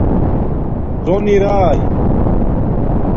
زون ارائ